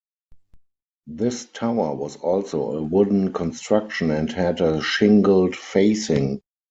This tower was also a wooden construction and had a shingled facing.